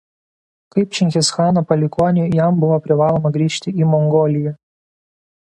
Kaip Čingischano palikuoniui jam buvo privaloma grįžti į Mongoliją.